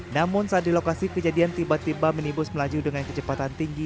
namun saat di lokasi kejadian tiba tiba minibus melaju dengan kecepatan tinggi